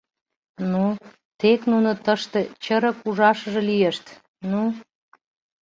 — Ну, тек нуно тыште чырык ужашыже лийышт, ну...